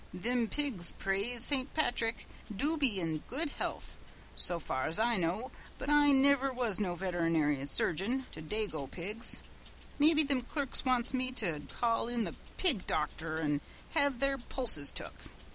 Thim pigs, praise St. Patrick, do be in good health, so far as I know, but I niver was no veternairy surgeon to dago pigs. Mebby thim clerks wants me to call in the pig docther an' have their pulses took.